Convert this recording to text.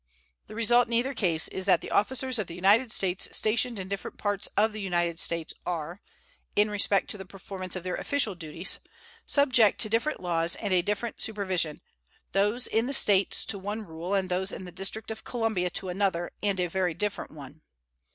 The result in either case is that the officers of the United States stationed in different parts of the United States are, in respect to the performance of their official duties, subject to different laws and a different supervision those in the States to one rule, and those in the District of Columbia to another and a very different one.